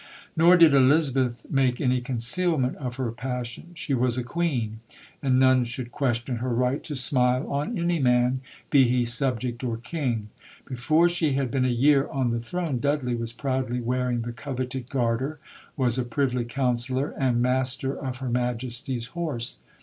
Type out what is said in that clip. Nor did Elizabeth make any concealment of her passion. She was a Queen; and none should question her right to smile on any man, be he subject or king. Before she had been a year on the Throne, Dudley was proudly wearing the coveted Garter; was a Privy Councillor and Master of Her Majesty's horse.